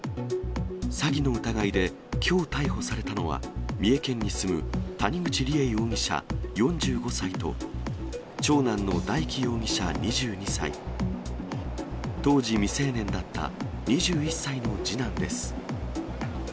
詐欺の疑いで、きょう逮捕されたのは、三重県に住む谷口梨恵容疑者４５歳と、長男の大祈容疑者２２歳、当時未成年だった２１歳の次男です。